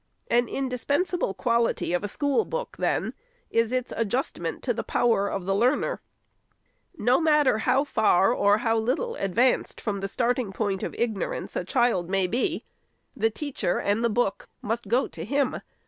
An indispensable quality of a school book, then, is its adjustment to the power of the learner. No matter how far, or how little, advanced from the starting point of ignorance a child may be, the teacher and the book must go to him.